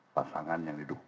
pasangan yang di dukung